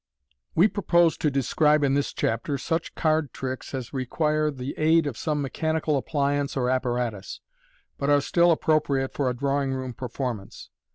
We propose to describe in this chapter such card tricks as require the aid of some mechanical appliance or apparatus, but are still appro priate for a drawing room performance.